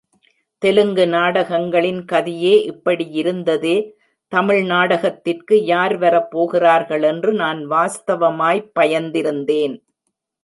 தெலுங்கு நாடகங்களின் கதியே இப்படியிருந்ததே, தமிழ் நாடகத்திற்கு யார் வரப் போகிறார்களென்று நான் வாஸ்தவமாய்ப் பயந்திருந்தேன்.